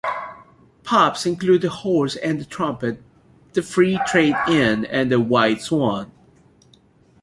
Pubs include The Horse and Trumpet, The Free Trade Inn, and The White Swan.